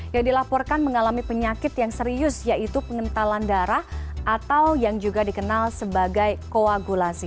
yang dilaporkan mengalami penyakit yang serius yaitu pengentalan darah atau yang juga dikenal sebagai koagulasi